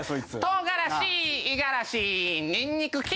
「唐辛子五十嵐」「ニンニク筋肉」